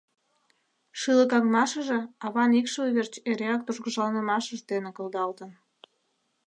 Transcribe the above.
Шӱлыкаҥмашыже аван икшыве верч эреак тургыжланымашыж дене кылдалтын.